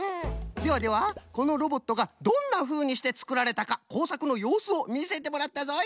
ではではこのロボットがどんなふうにしてつくられたかこうさくのようすをみせてもらったぞい。